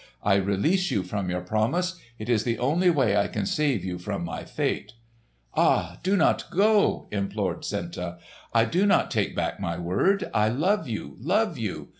I release you from your promise! It is the only way I can save you from my fate!" "Ah, do not go!" implored Senta. "I will not take back my word. I love you, love you!